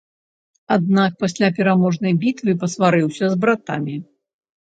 Аднак пасля пераможнай бітвы пасварыўся з братамі.